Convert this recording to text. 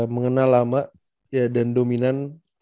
mengenal lama dan dominan